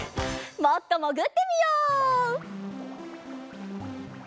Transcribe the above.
もっともぐってみよう！